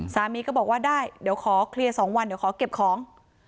สามีก็บอกว่าได้เดี๋ยวขอเคลียร์๒วันเดี๋ยวขอเก็บของ